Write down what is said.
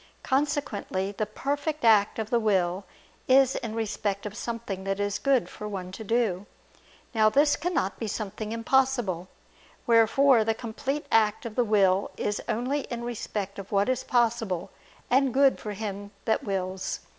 Consequently the perfect act of the will is in respect of something that is good for one to do. Now this cannot be something impossible. Wherefore the complete act of the will is only in respect of what is possible and good for him that wills.